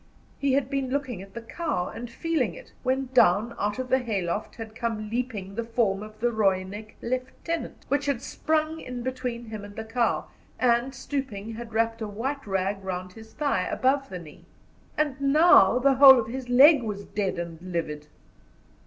He had been looking at the cow, and feeling it, when down out of the hayloft had come leaping the form of the Rooinek lieutenant, which had sprung in between him and the cow, and, stooping, had wrapped a white rag round his thigh, above the knee. And now the whole of his leg was dead and livid.